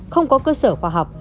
không có cơ sở khoa học